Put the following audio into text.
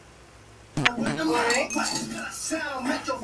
The site of Griffith Barracks was originally known as Grimswoods Nurseries.